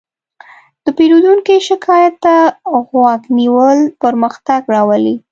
د پیرودونکي شکایت ته غوږ نیول پرمختګ راولي.